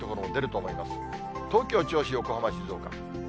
東京、銚子、横浜、静岡。